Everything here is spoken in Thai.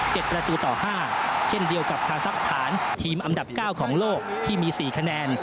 ประตูต่อห้าเช่นเดียวกับคาซักสถานทีมอันดับเก้าของโลกที่มีสี่คะแนน